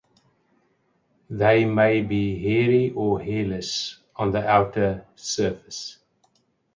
They may be hairy or hairless on the outer surface.